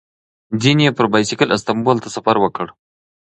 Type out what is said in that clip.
ځینې یې پر بایسکل استانبول ته سفر وکړ.